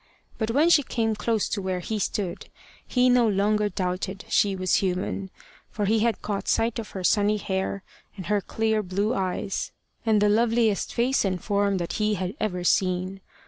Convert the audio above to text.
But when she came close to where he stood, he no longer doubted she was human for he had caught sight of her sunny hair, and her clear blue eyes, and the loveliest face and form that he had ever seen.